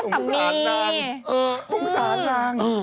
เออโปร่งสารนาง